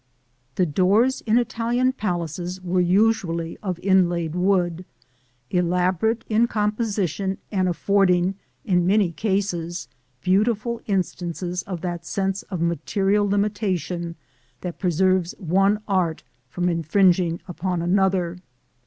The doors in Italian palaces were usually of inlaid wood, elaborate in composition and affording in many cases beautiful instances of that sense of material limitation that preserves one art from infringing upon another.